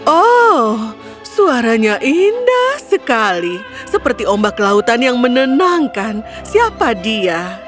oh suaranya indah sekali seperti ombak lautan yang menenangkan siapa dia